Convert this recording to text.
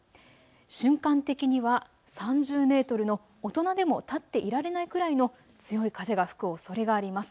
瞬間的には３０メートルの大人でも立っていられないくらいの強い風が吹くおそれがあります。